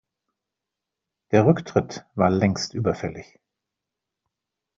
Der Rücktritt war längst überfällig.